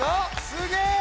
すげえ！